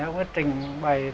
ông ấy trình bày